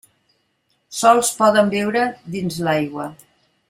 Sols poden viure dins l'aigua.